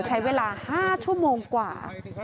ใช้เวลา๕ชั่วโมงกว่า